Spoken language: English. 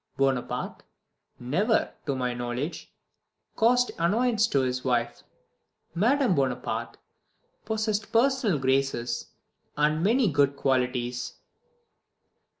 Bonaparte never, to my knowledge, caused annoyance to his wife. Madame Bonaparte possessed personal graces and many good qualities.